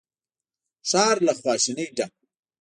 ښار له خواشينۍ ډک و.